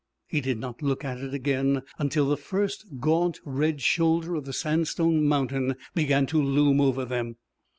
He did not look at it again until the first gaunt, red shoulder of the sandstone mountain began to loom over them.